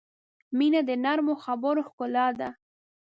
• مینه د نرمو خبرو ښکلا ده.